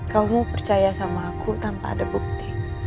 kamu percaya sama aku tanpa ada bukti